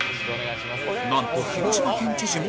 なんと広島県知事も